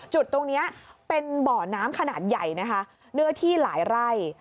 จุดตรงนี้เป็นบ่อน้ำขนาดใหญ่นะคะเนื้อที่หลายไร่